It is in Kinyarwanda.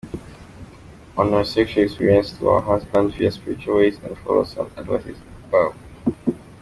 honor sexual experience to ur husband via spritual ways and follow some advices above.